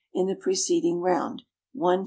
in the preceding round, 1 ch.